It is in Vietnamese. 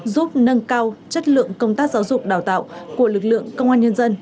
giúp nâng cao chất lượng công tác giáo dục đào tạo của lực lượng công an nhân dân